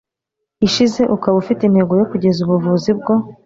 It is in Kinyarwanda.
ishize, ukaba ufite intego yo kugeza ubuvuzi bwo